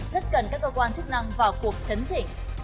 rất cần các cơ quan chức năng vào cuộc chấn chỉnh